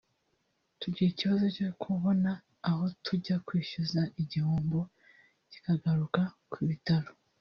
tugira ikibazo cyo kubona aho tujya kwishyuza igihombo kikagaruka ku bitaro»